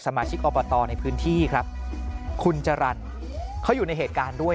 มาชิกอบตในพื้นที่ครับคุณจรรย์เขาอยู่ในเหตุการณ์ด้วย